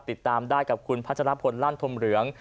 ติดตามได้กับคุณพัชรพลลั่นธมเหลือง